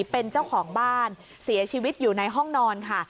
เป็นเจ้าของบ้านเสียชีวิตอยู่ในห้องนอนค่ะ